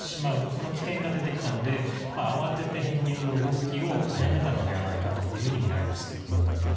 その危険が出てきたので慌てて編入の動きを早めたのではないかとみられます。